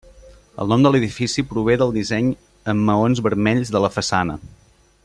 El nom de l'edifici prové del disseny amb maons vermells de la façana.